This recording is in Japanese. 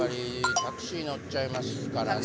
タクシー乗っちゃいますね。